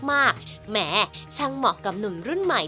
แหมช่างเหมาะกับหนุ่มรุ่นใหม่